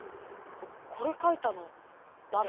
これ書いたのだれ？